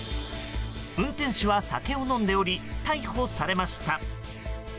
運転手は酒を飲んでおり逮捕されました。